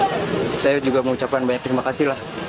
dengar kabar berita seperti itu saya juga mengucapkan banyak terima kasih